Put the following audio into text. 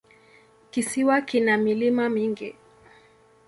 Kisiwa kina milima mingi.